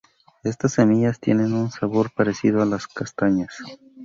Estas semillas tienen un sabor parecido a las castañas.